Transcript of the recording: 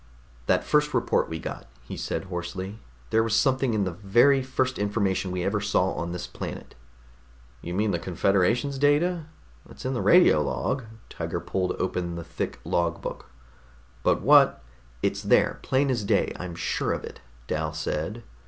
"That first report we got," he said hoarsely. "There was something in the very first information we ever saw on this planet...." "You mean the Confederation's data? It's in the radio log." Tiger pulled open the thick log book. "But what...." "It's there, plain as day, I'm sure of it," Dal said.